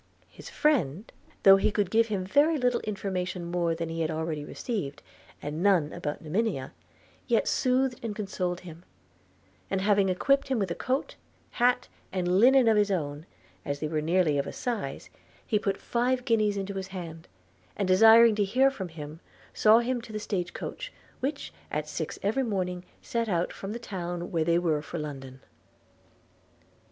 His friend, though he could give him very little information more than he had already received, and none about Monimia, yet soothed and consoled him; and, having equipped him with a coat, hat, and linen of his own, as they were nearly of a size, he put five guineas into his hand; and, desiring to hear from him, saw him into the stagecoach, which, at six every morning, set out from the town where they were for London.